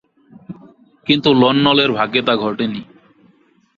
কিন্তু লন নলের ভাগ্যে তা ঘটেনি।